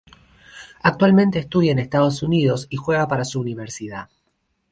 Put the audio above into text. Actualmente estudia en Estados Unidos y juega para su universidad.